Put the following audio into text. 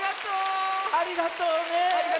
ありがとうね。